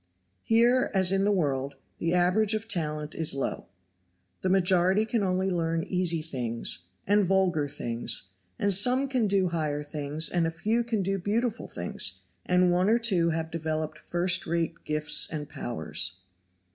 Here, as in the world, the average of talent is low. The majority can only learn easy things, and vulgar things, and some can do higher things and a few can do beautiful things, and one or two have developed first rate gifts and powers.